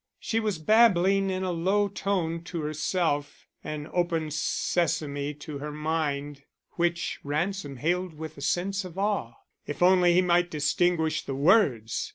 She was babbling in a low tone to herself, an open sesame to her mind, which Ransom hailed with a sense of awe. If only he might distinguish the words!